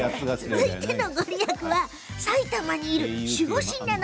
続いての御利益は埼玉にいる守護神なの。